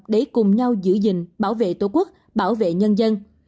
để cùng nhau giữ gìn bảo vệ tổ quốc bảo vệ nhân dân